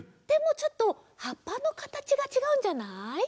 でもちょっとはっぱのかたちがちがうんじゃない？